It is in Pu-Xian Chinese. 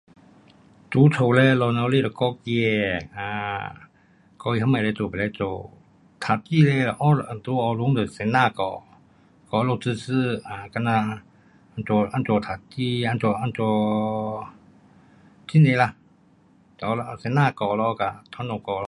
在家嘞，老母亲得教儿，啊，较什么可以做不可做，读书嘞，在学校就老师教，教他们知识，好像怎样，怎样读书，怎样，怎样，很多啦，都老师教咯跟那家教。